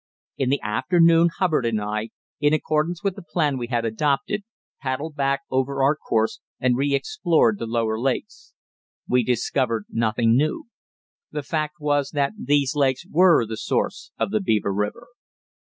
In the afternoon Hubbard and I, in accordance with the plan we had adopted, paddled back over our course and re explored the lower lakes. We discovered nothing new. The fact was that these lakes were the source of the Beaver River.